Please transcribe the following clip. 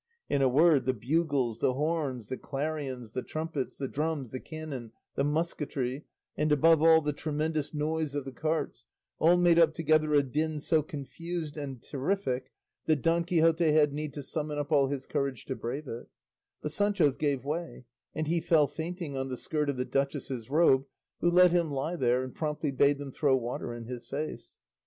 In a word, the bugles, the horns, the clarions, the trumpets, the drums, the cannon, the musketry, and above all the tremendous noise of the carts, all made up together a din so confused and terrific that Don Quixote had need to summon up all his courage to brave it; but Sancho's gave way, and he fell fainting on the skirt of the duchess's robe, who let him lie there and promptly bade them throw water in his face.